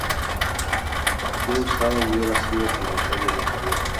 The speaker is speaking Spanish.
Que usada hubiera sido, tu notario más fiel.